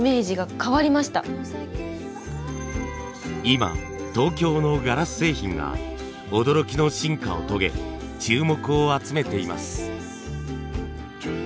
今東京のガラス製品が驚きの進化を遂げ注目を集めています。